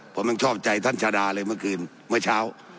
ผมยังชอบใจท่านชาดาเลยเมื่อคืนเมื่อเช้า